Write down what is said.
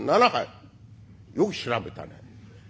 よく調べたね。